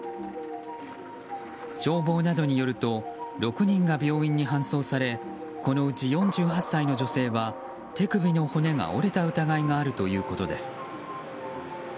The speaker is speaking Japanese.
消防などによると６人が病院に搬送されこのうち４８歳の女性は手首の骨が折れた疑いがあるということです。